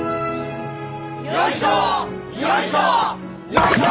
よいしょ！